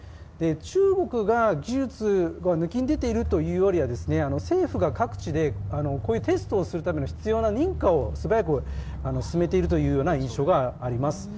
中国の技術が抜きん出ているというよりは、政府が各地でこういうテストをするために必要な認可を素早く進めているというような印象があります。